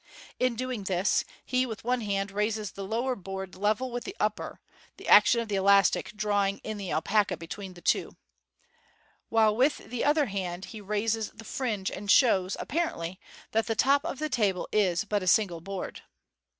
In doing this (see Fig. 282) he with one hand raises the lower board level with the upper (the action of the elastic drawing in the alpaca between the two), while with the other hand hj raises the fringe, and shows, apparently, that the top of the table is but a single board.